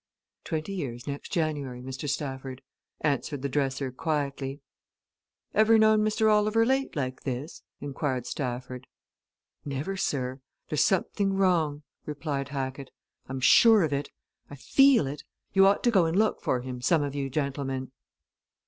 "Twenty years next January, Mr. Stafford," answered the dresser quietly. "Ever known Mr. Oliver late like this?" inquired Stafford. "Never, sir! There's something wrong," replied Hackett. "I'm sure of it. I feel it! You ought to go and look for him, some of you gentlemen."